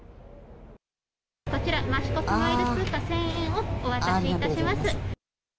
こちら、ましこスマイル通貨１０００円をお渡しいたします。